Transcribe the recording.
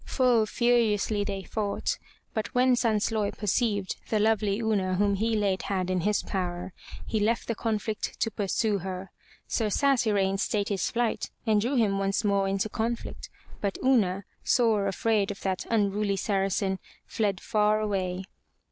Full furiously they fought, but when Sansloy perceived the lovely Una whom he late had in his power, he left the conflict to pursue her. Sir Satyrane stayed his flight and drew him once more into conflict, but Una, sore afraid of that unruly Saracen, fled far away.